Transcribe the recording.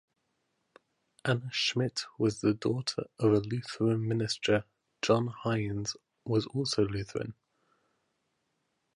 Anna Schmidt was the daughter of a Lutheran minister; John Heinz was also Lutheran.